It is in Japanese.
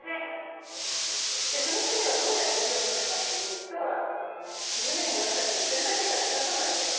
でそのタネはどうやって芽を出すかっていうと地面に落ちた時にそれだけじゃ育たないのよ。